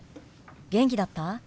元気だった？